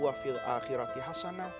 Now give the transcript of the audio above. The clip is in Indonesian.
wa fil akhirati hasanah